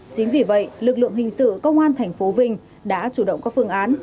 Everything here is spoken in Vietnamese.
chính vì vậy lực lượng hình sự công an tp vinh đã chủ động các phương án